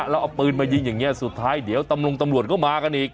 แล้วเอาปืนมายิงอย่างนี้สุดท้ายเดี๋ยวตำรวจก็มากันอีก